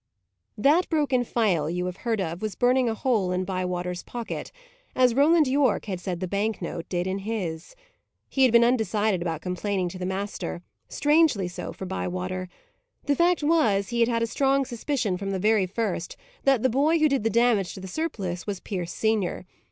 That broken phial, you have heard of, was burning a hole in Bywater's pocket, as Roland Yorke had said the bank note did in his. He had been undecided about complaining to the master; strangely so for Bywater. The fact was, he had had a strong suspicion, from the very first, that the boy who did the damage to the surplice was Pierce senior.